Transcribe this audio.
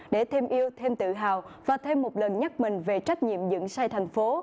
để thêm yêu thêm tự hào và thêm một lần nhắc mình về trách nhiệm dựng sai thành phố